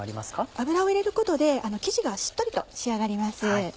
油を入れることで生地がしっとりと仕上がります。